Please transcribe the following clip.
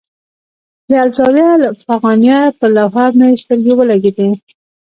د الزاویة الافغانیه پر لوحه مې سترګې ولګېدې.